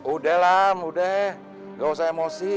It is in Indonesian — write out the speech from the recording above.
udah lam udah gausah emosi